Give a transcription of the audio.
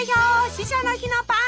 「死者の日のパン」。